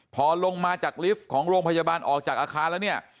พอลงมาจากลิฟต์ของโรงพยาบาลออกจากอาคารแล้วเนี่ย